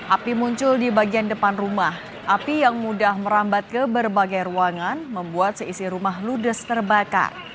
api muncul di bagian depan rumah api yang mudah merambat ke berbagai ruangan membuat seisi rumah ludes terbakar